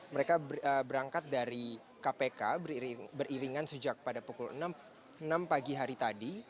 mereka berangkat dari kpk beriringan sejak pada pukul enam pagi hari tadi